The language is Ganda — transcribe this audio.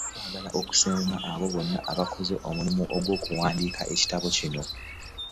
Twagala okusiima abo bonna abakoze omulimu ogw'okuwandiika ekitabo kino.